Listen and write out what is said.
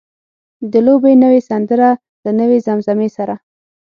د لوبې نوې سندره له نوې زمزمې سره.